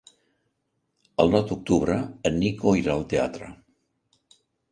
El nou d'octubre en Nico irà al teatre.